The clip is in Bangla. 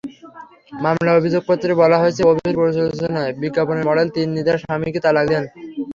মামলার অভিযোগপত্রে বলা হয়েছে, অভির প্ররোচনায় বিজ্ঞাপনের মডেল তিন্নি তাঁর স্বামীকে তালাক দেন।